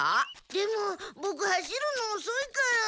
でもボク走るのおそいから。